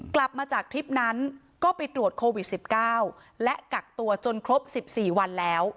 กลับมาจากทริปนั้นก็ไปตรวจโควิดสิบเก้าและกักตัวจนครบสิบสี่วันแล้ว